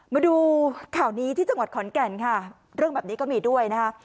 มาดูข่าวนี้ที่จังหวัดขอนแก่นค่ะเรื่องแบบนี้ก็มีด้วยนะคะ